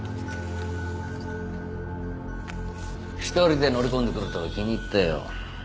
一人で乗り込んでくるとは気に入ったよ。